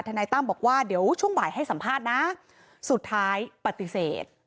นายตั้มบอกว่าเดี๋ยวช่วงบ่ายให้สัมภาษณ์นะสุดท้ายปฏิเสธ